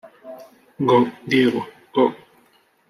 Go, Diego, Go!